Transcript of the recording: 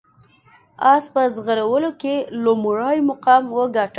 اس په ځغلولو کې لومړی مقام وګاټه.